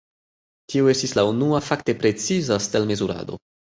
Tio estis la unua fakte preciza stel-mezurado.